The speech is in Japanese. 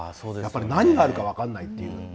何があるか分からない。